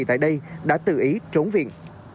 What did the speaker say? tại đây đã tự ý trốn viện